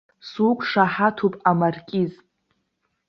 Суқәшаҳаҭуп, амаркиз.